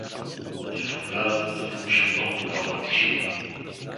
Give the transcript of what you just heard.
Вътре в оградата царуваше пълна гробна тишина.